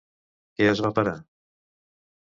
Què es va parar?